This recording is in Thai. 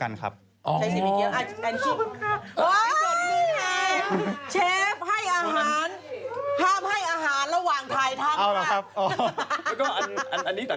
จากกระแสของละครกรุเปสันนิวาสนะฮะ